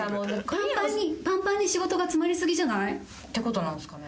パンパンにパンパンに仕事が詰まりすぎじゃない？って事なんすかね？